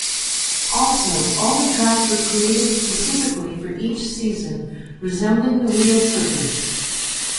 Also, all the tracks were created specifically for each season, resembling the real circuits.